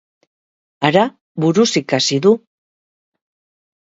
Hara, buruz ikasi du!